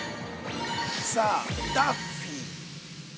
◆さあダッフィー。